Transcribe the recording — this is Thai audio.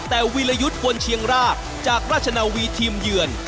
แต่วีรยุทธ์วนเชียงรากจากราชนาวีทีมเยือน